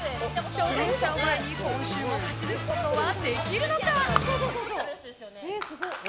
挑戦者を前に、今週も勝ち抜くことはできるのか？